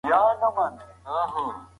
د ژوند سختۍ د شخصیت ودې وسیله ده.